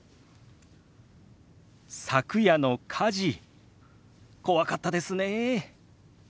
「昨夜の火事怖かったですね」。